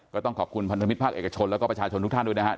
ก็ต้องขอบคุณพันธมิตรภาคเอกชนแล้วก็ประชาชนทุกท่านด้วยนะครับ